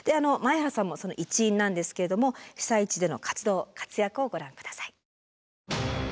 前原さんもその一員なんですけれども被災地での活動・活躍をご覧下さい。